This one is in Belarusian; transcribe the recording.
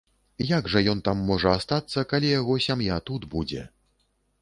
Як жа ён там можа астацца, калі яго сям'я тут будзе.